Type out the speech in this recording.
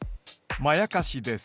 まやかしです。